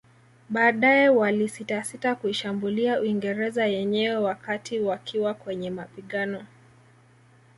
Baadae walisitasita kuishambulia Uingereza yenyewe wakati wakiwa kwenye mapigano